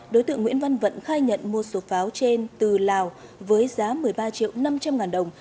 đối tượng nguyễn văn vận khai nhận mua số pháo trên từ lào với giá một mươi ba triệu năm trăm linh ngàn đồng